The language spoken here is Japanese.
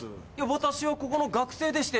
私はここの学生でして。